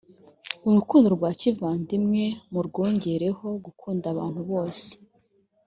urukundo rwa kivandimwe murwongereho gukunda abantu bose